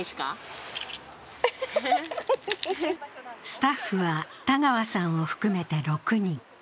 スタッフは、田川さんを含めて６人。